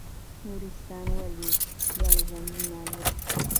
نورستان ولې ګڼ ځنګلونه لري؟